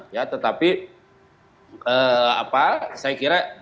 ya tetapi apa saya kira